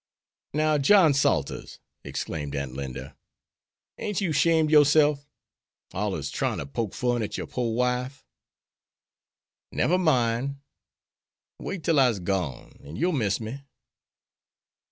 "Now, John Salters," exclaimed Aunt Linda, "ain't you 'shamed ob yourself? Allers tryin' to poke fun at yer pore wife. Never mine; wait till I'se gone, an' you'll miss me."